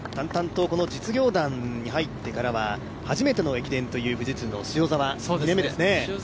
淡々と実業団に入ってからは初めての駅伝という富士通の塩澤、２年目ですね。